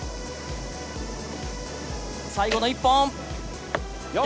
最後の一本。